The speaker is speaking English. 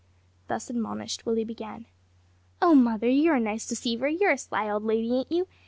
Thus admonished, Willie began. "Oh, mother, you're a nice deceiver; you're a sly old lady, ain't you?